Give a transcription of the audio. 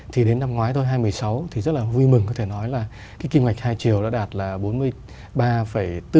thì đến năm ngoái thôi hai nghìn một mươi sáu thì rất vui mừng có thể nói là kinh hoạch hai chiều đã đạt bốn mươi ba